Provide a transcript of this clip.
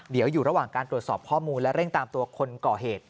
เดี๋ยวอยู่ระหว่างการตรวจสอบข้อมูลและเร่งตามตัวคนก่อเหตุ